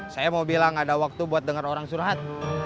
saya mau bilang ada waktu buat dengar orang curhat